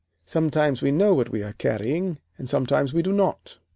Sometimes we know what we are carrying and sometimes we do not.